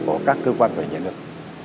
của các cơ quan quản lý nhân lực